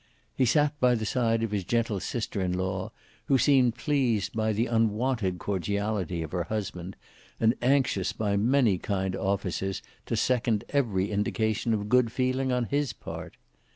He sate by the side of his gentle sister in law, who seemed pleased by the unwonted cordiality of her husband, and anxious by many kind offices to second every indication of good feeling on his part.